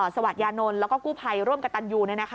สวัสดิ์ยานนลและกู้ภัยร่วมกับตันยู